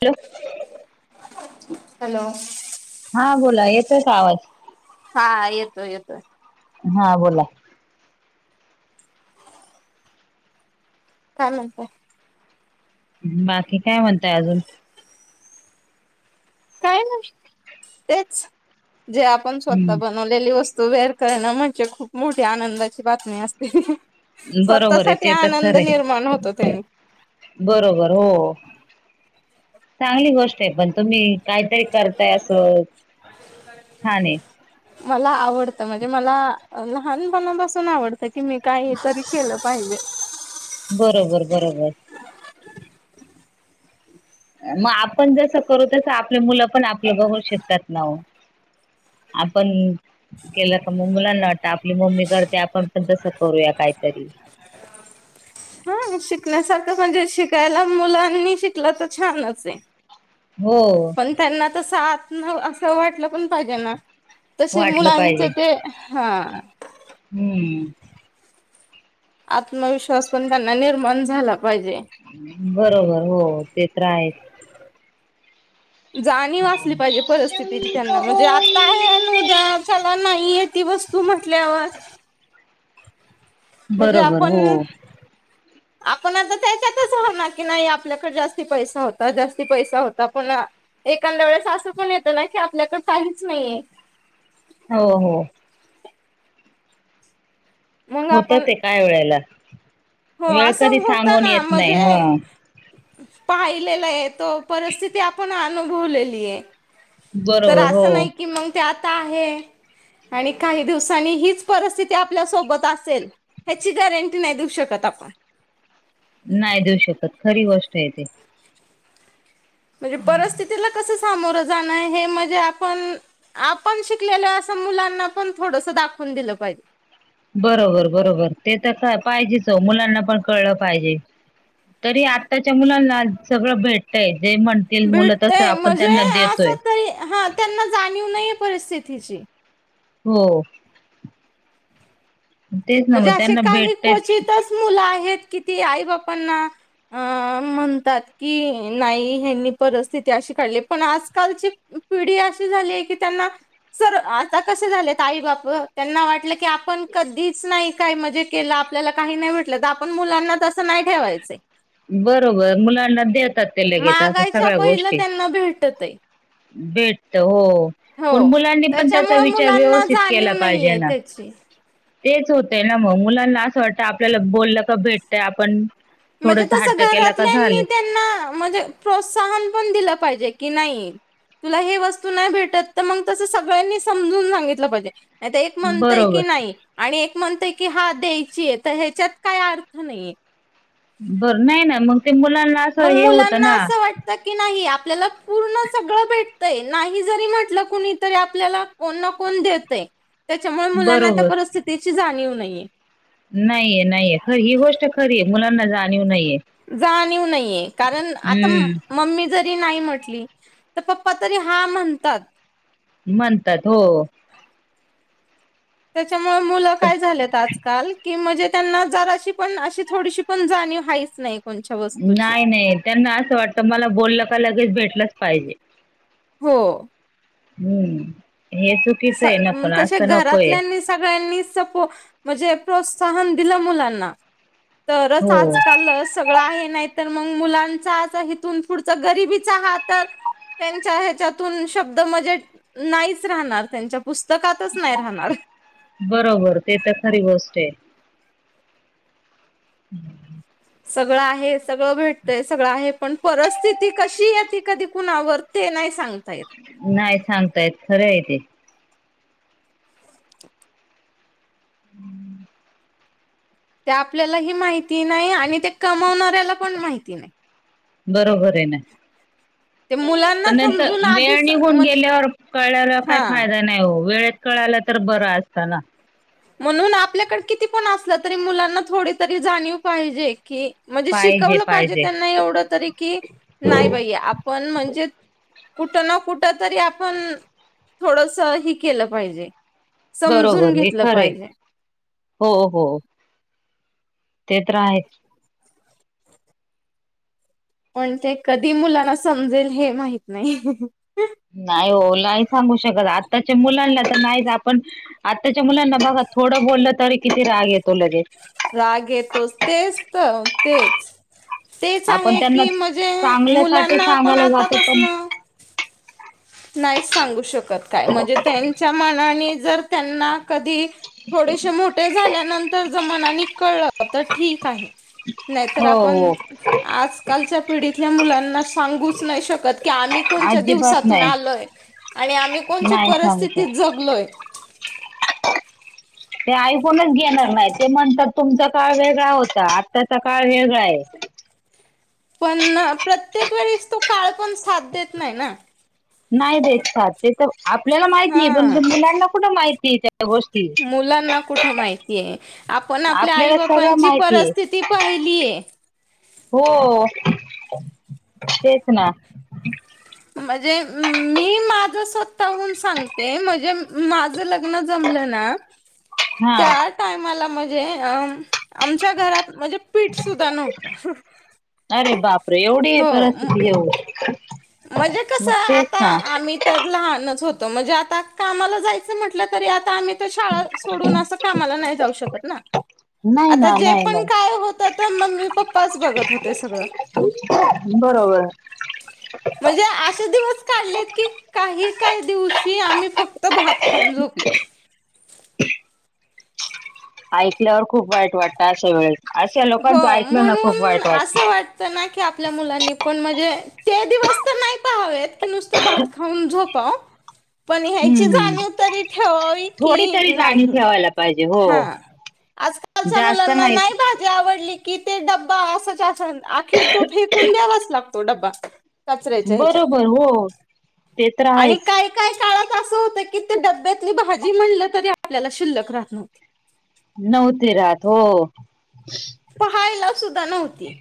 Hello! Hello! हा बोला येतोय का आवाज? हा येतोय येतोय. हा बोला. काय म्हणताय? बाकी काय म्हणताय अजून? काय नाही तेच जे आपण स्वत बन हम्म बनवलेली वस्तू वेअर करणं म्हणजे खूप मोठी आनंदाची बातमी असते. बरोबर आहे ते तर स्वतःसाठीआनंद खरे निर्माण होतो त्यांनी. बरोबर हो. चांगली गोष्ट पण तुम्ही कायतरी करताय असं छान आहे. मला आवडतं म्हणजे मला लहानपणापासून आवडतं की मी काय तरी केलं पाहिजे. बरोबर बरोबर. मग आपण जसं करू तस आपले मुलं पण आपल्या बघर शकतात ना वो? आपण केलं का मग मुलाना वाटतं आपली मम्मी करते आपण पण तसं करूया काहीतरी हां शिकण्यासारखं म्हणजे शिकायला मुलांनी शिकला तर छानच आहे. हो. त्यांना तस आतन असं वाटलं पण पाहिजे ना तसे वाटलं पाहिजे मुलांचे ते हां. हम्म. आत्मविश्वास पण त्यांना निर्माण झाला पाहिजे. बरोबर हो ते तर आहेच. जाणीव असंली पाहिजे परिस्थितीची त्यांना म्हणजे आत्ता आहे अन उद्या चला नाहीये ती वस्तू म्हटल्यावर म्हणजे बरोबर हो. आपण आपण आता त्याच्यातच राहणार की नाही आपल्याकडे जास्ती पैसा होता, जास्ती पैसा होता पुन्हा एखाद्या वेळेस असं पण येतं ना की आपल्याकड काहीच नाहीये. हो हो. मग होत आपण ते काय वेळेला हो वेळ कधी सांगून येत नाही हम्म. पाहिलेला आहे तो परिस्थिती आपण अनुभवलेली आहे. तर बरोबर असं हो नाही की मंग ते आता आहे. आणि काही दिवसांनी हीच परिस्थिती आपल्यासोबत असेल ह्याची गॅरंटी नाही देऊ शकत आपण. नाही देऊ शकत खरी गोष्ट आहेे ते. म्हणजे परिस्थितीला कसं सामोरं जाणं हे म्हणजे आपण आपण शिकलेलं असं मुलांना पण थोडसं दाखवून दिलं पाहिजे. बरोबर बरोबर ते तसं पाहिजेच ओ मुलांना पण कळलं पाहिजे. तरी आत्ताच्या मुलांना सगळं भेटतंय जे म्हण भेटतयं म्हणजे अस ताई हा त्यांना जाणीव नाहीेये परिस्थितीची. हो तेच ना म्हणजे मग असे त्यांना काही भेटतयचं क्वचितच मुलं आहेत किती आई बापांना अ म्हणतात की नाही ह्यांनी परिस्थिती अशी काढलीय पण आजकालची पिढी अशी झालीये की त्यांना सर आता कसे झालेत आई बाप त्यांना वाटलं की आपण कधी च नाही काय म्हणजे केलं आपल्याला काही नाही भेटलं तर आपण मुलांना तसं नाही ठेवायचं आहे. बरोबर मुलांना देतात ते लगेच अस मागायच्या सगळ्या पहिलं गोष्टी. त्यांना भेटतय भेटतं हो. हो पण मुलांनी पण त्याचा त्याच्यामुळे विचार मुलांना व्यवस्थित केला जाणीव पाहिजे नाहीये ना! त्याची तेच होतय ना मग मुलांना असं वाटतं आपल्याला बोललं का भेटतय आपण म्हणजे थोडस तसं हट्ट केला का घरातल्यांनी झालं त्यांना म्हणजे प्रोत्साहन पण दिलं पाहिजे की नाही तुला हे वस्तू नाही भेटत तर मग तसं सगळ्यांनी समजून सांगितलं पाहिजे. नाहीतर एक म्हणतंय की बरोबर नाही आणि एक म्हणतय की हां द्यायची आहे तर ह्याच्यात काय अर्थ नाहीये. बरं नाही ना मग ते मुलांना असं मग हे होतं मुलांना ना. असं वाटतं की नाही आपल्याला पूर्ण सगळं भेटतंय नाही जरी म्हटलं कुणी तरी आपल्याला कोण ना कोण देतंय त्याच्यामुळं मुलांना त्या बरोबर परिस्थितीची जाणीव नाहीये. नाहीये नाहीये खर ही गोष्ट खरी आहे मुलांना जाणीव नाहीये. जाणीव नाहीये कारण आता हम्म मम्मी जरी नाही म्हटली तर पप्पा तरी हा म्हणतात. म्हणतात हो हो त्याच्यामुळं मुलं पण काय झालेत आजकाल की म्हणजे त्यांना जराशी पण अशी थोडीशी पण जाणीव हाईच नाही. कोणच्या वस्तूची नाही नाही त्यांना असं वाटतं मला बोललं का लगेच भेटलंच पाहिजे. हो हम्म हे चुक तसे घरातल्यां सगळ्यांनी सपोट म्हणजे प्रोत्साहन दिल मुलांना तरच हो आजकाल सगळं आहे नाही तर मग मुलांचा असा इथून पुढचा गरीबीचा हा तर त्यांच्या ह्याच्यातून शब्द म्हणजे नाहीच राहणार त्यांच्या पुस्तकातच नाही राहणार. बरोबर ते तर खरी गोष्ट आहे. सगळं आहे सगळं भेटतय सगळं आहे. पण परिस्थिती कशी येते कधीकुणावर ते नाही सांगता येत. नाही सांगता येत खरं आहे ते [inaudible] ते आपल्याला ही माहिती नाही आणि ते कमावणाऱ्याला पण माहिती नाही. बरोबर आहे ना. ते मुलांना पण नंतर समजून वेळ आधीच निघून म्हणजे गेल्यावर कळल्यावर काही हा फायदा नाही हो वेळेत कळालं तर बरं असतं ना. म्हणून आपल्याकडे किती पण असलं तरी मुलांना थोडी तरी जाणीव पाहिजे. कि म्हणजे शिकवलं पाहिजे त्यांना एवढं तरी कि नाही बाई आपण म्हणजे कुठं ना कुठ तरी आपण थोडंसं हे केलं पाहिजे. समजून घेतलं पाहिजे. खरं आहे हो हो ते तर आहेच. पण ते कधी मुलांना समजेल हे माहित नाही. नाही हो नाही सांगू शकत आत्ताच्या मुलांना तर नाहीच आपण आत्ताच्या मुलांना बघा थोडं बोललं तरी किती राग येतो लगेच. राग येतोच तेच तर तेच तेच आपण आहे त्यांना की म्हणजे चांगल्यासाठी मुलांना पण सांगायला आता जातो पण पासन नाहीच सांगू शकत काय म्हणजे त्यांच्या मनाने जर त्यांना कधी थोडेसे मोठे झाल्यानंतर जर मनानी कळलं तर ठीक आहे. नाहीतर हो हो आपण आजकालच्या पिढीतल्या मुलांना सांगूच नाही शकत. की आम्ही कोणच्या अजिबात दिवसातून नाही आलोय आणि आम्ही कोणच्या नाही सांगू परिस्थितीत शकत. जगलोय. ते ऐकूनच घेणार नाही. ते म्हणतात तुमचा काळ वेगळा होता. आत्ताचा काळ वेगळा आहे. पण प्रत्येक वेळेस तो काळ पण साथ देत नाही ना. नाही देत साथ ते तर आपल्याला माहितीय पण हा ते मुलांना कुठं माहितीय त्या गोष्टी मुलांना कुठं माहितीय. आपण आपल्या आई- आपल्याला सगळं बापांची माहितीये परिस्थिती पाहिलीय. हो तेच ना म्हणजे मी माझं स्वतःहून सांगते म्हणजे माझं लग्न जमलं ना हा. त्यात टायमाला म्हणजे अ आमच्या घरात म्हणजे पीठ सुद्धा नव्हतं. अरे बापरे! एवढी हो परिस्थिती हे ओ. म्हणजे कसं आता आम्ही इतर लहानच होतो म्हणजे आता कामाला जायच म्हटलं तरी आता आम्ही तर शाळा सोडून असं कामाला नाही जाऊ शकत ना. नाही आता ना जे नाही पण नाही काय होतं ते मम्मी पप्पाच बघत होते सगळं. बरोबर. म्हणजे अशे दिवस काढलेत की काही काही दिवशी आम्ही फक्त भात खाऊन झोपलेले. ऐकल्यावर खूप वाईट वाटतं अशा वेळेस अशा लोकांचं ऐकलं ना खूप वाईट वाटतं. च आपल्या मुलांनी पण म्हणजे ते दिवस तर नाही पहावेत की नुसतं भात खाऊन झो पाअ पण हम्म ह्याची हम्म. जाणीव तरी ठेवावी थोडी की तरी जाणीव नाही ठेवायला पाहिजे हो हा. आजकालच्या मुलांना नाही भात भाजी आवडली कि ते डबा आसच्या असान अख्खी तो फेकून द्यावाच लागतो डब्बा. कचऱ्याच्या ह्याच्यात बरोबर हो ते तर आणि आहेच काय काही काळात असं होत की, ते डब्यातली भाजी म्हणलं तरी आपल्याला शिल्लक राहत नव्हती. नव्हते राहत हो. पहायला सुद्धा नव्हती.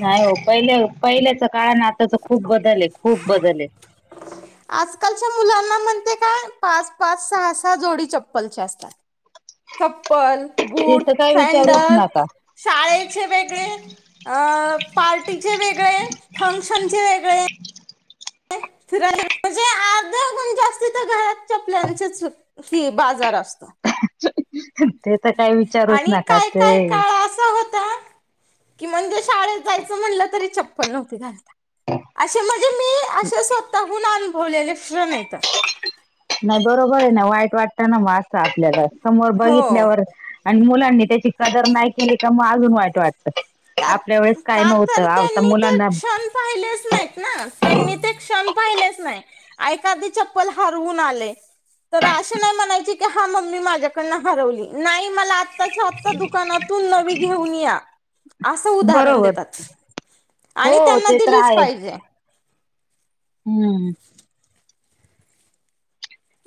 नाही हो पहिल्या पहिल्याच काळान आता तर खूप बदल आहे खूप बदल आहे. आजकालच्या मुलांना म्हणते काय पाच-पाच, सहा-सहा जोडी चप्पलचे असतात. चप्पल, ते बूट, तर काय विचारूच सॅंडल नका शाळेचे वेगळे, अ पार्टीचे वेगळे, फंक्शनचे वेगळे [unintelligible] म्हणजे अर्ध गुण जास्त तर घरात चपल्यांचेच की बाजार असतो. ते तर काही विचारूच नका ते ता कि म्हणजे शाळेत जायचं म्हणलं तरी चप्पल नव्हती घलता अशे म्ह अशा स्वतःहून अनुभवलेल क्षण आहे तर. नाही बरोबर आहे ना वाईट वाटतं ना म असं आपल्याला समोर हो बघितल्यावर आणि मुलांनी त्याची कदर नाही केली तर म अजून वाईट वाट तं का आपल्या वेळेस काय का तर नव्हतं आता त्यांनी ते मुलांना क्षण पाहिलेच नाहीत ना त्यांनी ते क्षण पाहिलेच नाय. ऐकादी चप्पल हरवून आले तर अशी नाही म्हणायची की हा मम्मी माझ्याकडनं हरवली नाही मला आ ताच्या आत्ता दुकानातून नवी घेऊन या असं उदाहरण बरोबर देतात आणि हो त्यांना ते तर दिलीच आहे. पाहिजे. हम्म.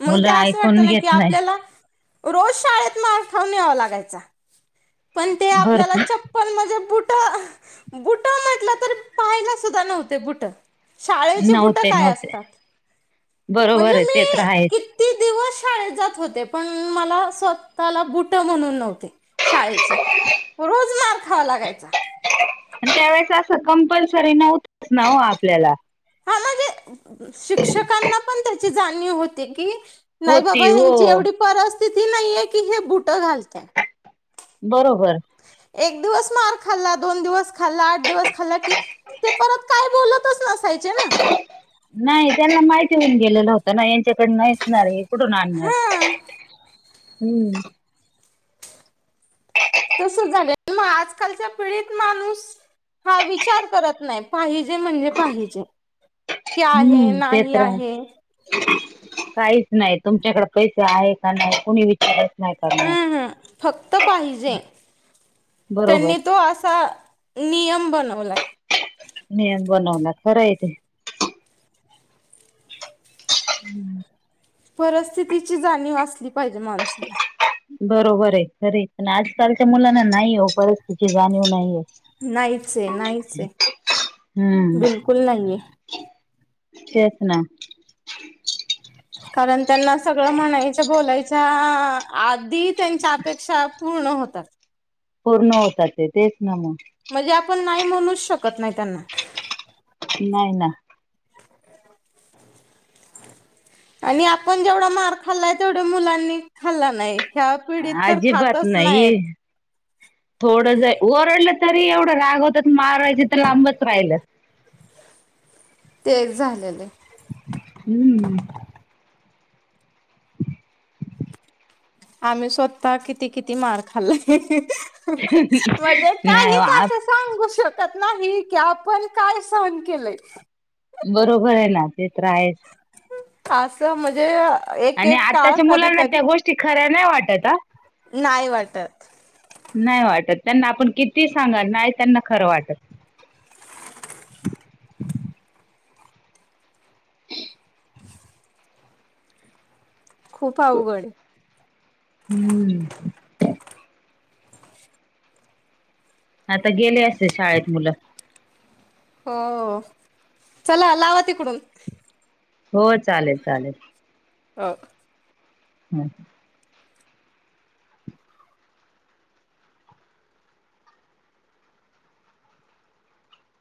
मंग ते मुलं असं ऐकून वाटतं ना की घेत नाही आपल्याला रोज शाळेत मार खाऊून यावा लागायचा. पण ते आपल्याला भरपूर चप पल म्हणजे बूटं बूटं म्हटलं तर पाहायला सुद्धा नव्हते बूटं शाळेची बुट नव्हते काय नव्हते असतात बरोबर म्हणजे आहे ते तर मी आहेच. कित ती दिवस शाळेत जात होते पण मला स्वतःला बुट म्हणून नव्हते. शाळेचे रोज मार खावा लागायचा. त्या वळेस असं कंपल्सरी नव्हतच ना हो आपल्याला. हा म्हणजे शिक्षकांना पण त्याची जाणीव होते की नाही होती बाबा हो ह्यांची एवढी परिस्थिती नाहीये की हे बुट घालते. बरोबर एक दिवस मार खाल्ला दोन दिवस खाल्ला आठ दिवस खाल्ला की ते परत काय बोलतच नसायचे न नाही त्यांना माहिती होऊन गेलेलं होत ना या च्या कडं नाहीच नारे कुटुन आणणार हा हम्म तसंच झालंय मग आजकालच्या पिढीत माणूस हा विचार करत नाही पाहिजे म्हणजे पाहिजे कि आहे हम्म ते नाही तर आहे काहीच नाही तुमच्याकडे पैसे आहे का नाहीत कुणी विचारत हम् हम् फक्त पाहिजे बरोबर त्यांनी तो असा नियम बनवलाय नियम बनवलाय खरं आहे ते हम्म परिस्थितीची जाणीव असली पाहिजे माणसाला बरोबर आहे खरं आहे पण आजकालच्या मुलांना नाही हो परिस्थितीची जाणीव नाहीेये नाहीच आहे नाहीच आहे हम्म बिलकुल नाहीेये तेच ना कारण त्यांना सगळं म्हणायचं बोलायच्या आ आ आध ती हि त्यांच्या अपेक्षा पूर्ण होतात पूर्ण होतात तेच ना मग म्हणजे आपण नाही म्हणूच शकत नाही त्यांना नाही ना आणि आपण जेवढा मार खाल्लाय तेवढा मुलांनी खाल्ला नाही. ह्या पिढीत तर अजिबात खातच नाहीत नाही थोडं जर ओरडलं तरी एवढं रागवतात मारायच तर लांबच राहिलं तेच झालेले आहे हम्म आम्ही स्वतः किती किती मार खाल्लाय ही ही ही ह ह म्हणजे नाही काहीच आ अपन सांगू शकत नाही की आपण काय सहन केलंय बरोबर आहे ना ते तर आहेस असं म्हणजे एक आणि एक काळ आताच्या कधी क मुलांना त्या गोष्टी खऱ्या नाही वाटत हा नाही वाटत नाही वाटत त्यांना आपण किती सांगा नाही त्यांना खरं वाटत [inaudible] खूप अवघड हम्म आता गेले असतील शाळेत मुलं हो चला लावा तिकडून हो चालेल चालेल हो हम